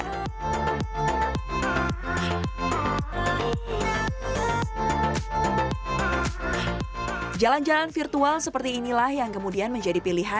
ini dulu jul ruah jalur setihelad phrase numis jakie